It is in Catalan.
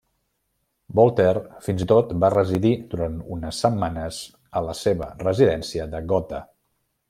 Voltaire fins i tot va residir durant unes setmanes a la seva residència de Gotha.